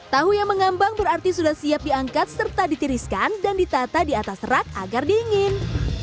tahu yang mengambang berarti sudah siap diangkat serta ditiriskan dan ditata di atas rak agar dingin